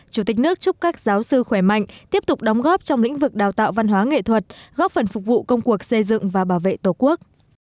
chủ tịch nước chúc các giáo sư khỏe mạnh tiếp tục đóng góp trong lĩnh vực đào tạo văn hóa nghệ thuật góp phần phục vụ công cuộc xây dựng và bảo vệ tổ quốc